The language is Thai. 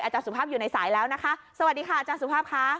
สุภาพอยู่ในสายแล้วนะคะสวัสดีค่ะอาจารย์สุภาพค่ะ